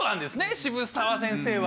渋沢先生は。